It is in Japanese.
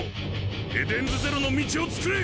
エデンズゼロの道をつくれ！